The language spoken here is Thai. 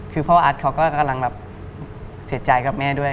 คือพ่ออัดเขาก็กำลังแบบเสียใจกับแม่ด้วย